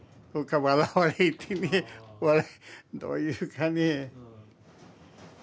どういうかね。